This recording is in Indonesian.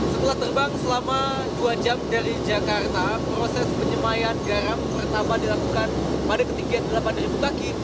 setelah terbang selama dua jam dari jakarta proses penyemayan garam pertama dilakukan pada ketinggian delapan kaki